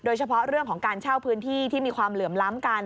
โดยเฉพาะเรื่องของการเช่าพื้นที่ที่มีความเหลื่อมล้ำกัน